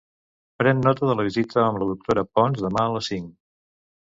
Pren nota de la visita amb la doctora Pons demà a les cinc.